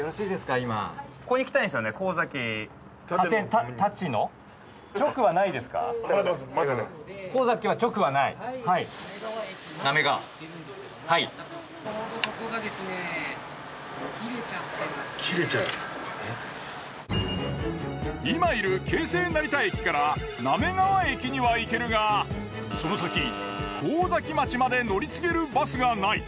今いる京成成田駅から滑河駅には行けるがその先神崎町まで乗り継げるバスがない。